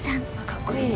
かっこいい。